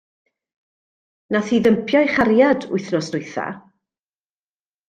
Nath hi ddympio'i chariad wythnos dwytha.